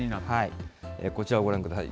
こちらをご覧ください。